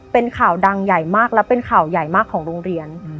เป็นข่าวดังใหญ่มากและเป็นข่าวใหญ่มากของโรงเรียน